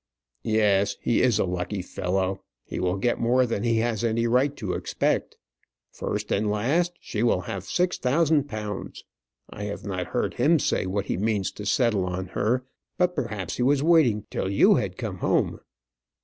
"Yes, he is a lucky fellow; he will get more than he has any right to expect. First and last she will have six thousand pounds. I have not heard him say what he means to settle on her; but perhaps he was waiting till you had come home."